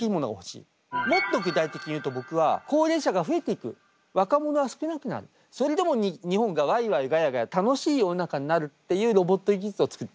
もっと具体的に言うと僕は高齢者が増えていく若者は少なくなるそれでも日本がワイワイガヤガヤ楽しい世の中になるっていうロボット技術を作っていきたい。